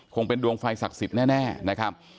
คงเป็นดวงไฟศักดิ์สิทธิ์แน่นะครับ